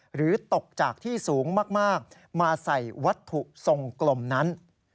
หรือตกจากที่สูงมากมาใส่วัตถุทรงกลมนั้น